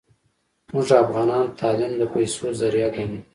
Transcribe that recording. موږ افغانان تعلیم د پیسو ذریعه ګڼو